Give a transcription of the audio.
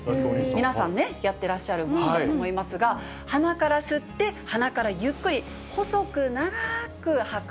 皆さんね、やってらっしゃることだと思いますが、鼻から吸って、鼻からゆっくり細く長く吐く。